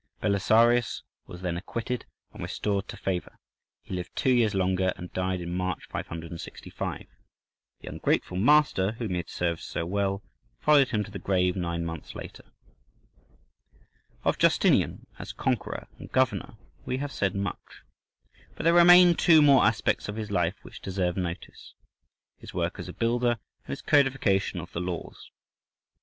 Belisarius was then acquitted and restored to favour: he lived two years longer, and died in March, 565.(14) The ungrateful master whom he had served so well followed him to the grave nine months later. ‐‐‐‐‐‐‐‐‐‐‐‐‐‐‐‐‐‐‐‐‐‐‐‐‐‐‐‐‐‐‐‐‐‐‐‐‐ Of Justinian as conqueror and governor we have said much. But there remain two more aspects of his life which deserve notice—his work as a builder and his codification of the laws.